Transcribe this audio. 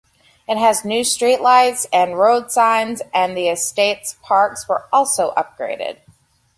It has new streetlights and road signs, and the estate's parks were also upgraded.